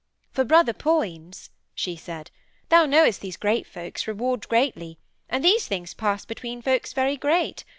'For, brother Poins,' she said, 'thou knowest these great folks reward greatly and these things pass between folks very great.